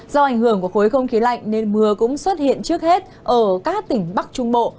do ảnh hưởng của khối không khí lạnh nên mưa cũng xuất hiện trước hết ở các tỉnh bắc trung bộ